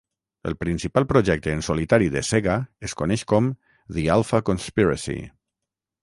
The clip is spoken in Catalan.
El principal projecte en solitari de Sega es coneix com a The Alpha Conspiracy.